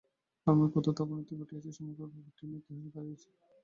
ধর্মের কতদূর অবনতি ঘটিয়াছে! সমগ্র ব্যাপারটিই মেকী হইয়া দাঁড়াইয়াছে।